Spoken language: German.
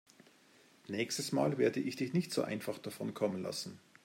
Nächstes Mal werde ich dich nicht so einfach davonkommen lassen.